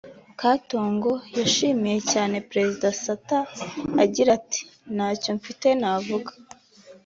Katongo yashimiye cyane Perezida Sata agira ati “ Nta cyo mfite navuga